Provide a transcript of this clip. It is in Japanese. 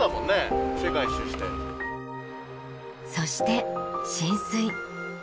そして進水。